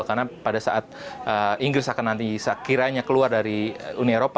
karena pada saat inggris akan nanti sekiranya keluar dari uni eropa